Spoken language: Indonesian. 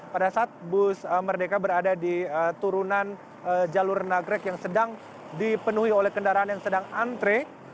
pada saat bus merdeka berada di turunan jalur nagrek yang sedang dipenuhi oleh kendaraan yang sedang antre